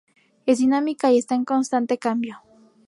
Es dinámica y está en constante cambio.